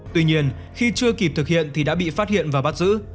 tuy nhiên khi chưa kịp thực hiện thì đã bị phát hiện và bắt giữ